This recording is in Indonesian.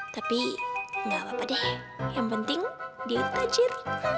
tapi gak apa apa deh yang penting di tajir